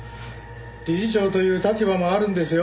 理事長という立場もあるんですよ。